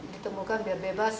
ditemukan biar bebas